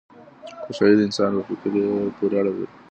خوشحالي د انسان په فکر پوري اړه لري.